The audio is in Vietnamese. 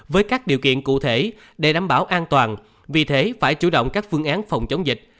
với các điều kiện cụ thể để đảm bảo an toàn vì thế phải chủ động các phương án phòng chống dịch